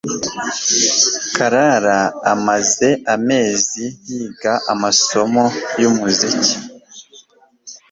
Clara amaze amezi yiga amasomo yumuziki